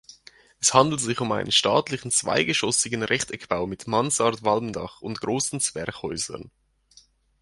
Es handelt sich um einen stattlichen zweigeschossigen Rechteckbau mit Mansardwalmdach und großen Zwerchhäusern.